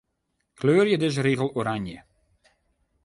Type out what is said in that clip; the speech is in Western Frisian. Kleurje dizze rigel oranje.